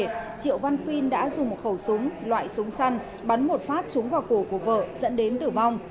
triệu văn phiên đã dùng một khẩu súng loại súng săn bắn một phát trúng vào cổ của vợ dẫn đến tử vong